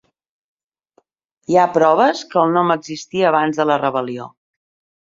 Hi ha proves que el nom existia abans de la rebel·lió.